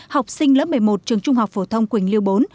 học sinh lớp một mươi một trường trung học phổ thông quỳnh liêu bốn